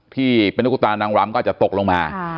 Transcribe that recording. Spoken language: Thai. ที่เป็นตุ๊กตานางรำก็อาจจะตกลงมา